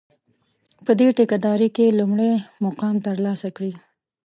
په دې ټېکه داري کې لومړی مقام ترلاسه کړي.